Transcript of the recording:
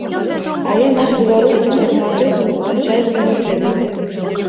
Але наш беларускі прагматызм надзвычай прымітыўны.